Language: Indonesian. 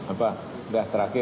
apa sudah terakhir